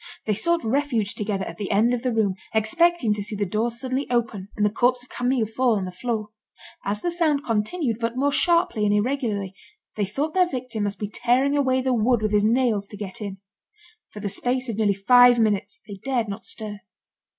They sought refuge together at the end of the room, expecting to see the door suddenly open, and the corpse of Camille fall on the floor. As the sound continued, but more sharply and irregularly, they thought their victim must be tearing away the wood with his nails to get in. For the space of nearly five minutes, they dared not stir.